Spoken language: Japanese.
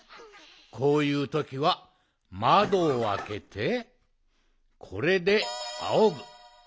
こういうときはまどをあけてこれであおぐ。